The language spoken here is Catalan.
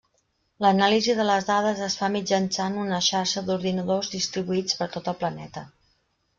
L'anàlisi de les dades es fa mitjançant una xarxa d'ordinadors distribuïts per tot el planeta.